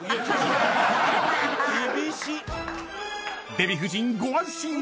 ［デヴィ夫人ご安心を！］